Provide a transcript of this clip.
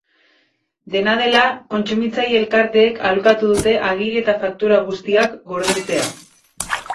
Dena dela, kontsumitzaile elkarteek aholkatu dute agiri eta faktura guztiak gordetzea.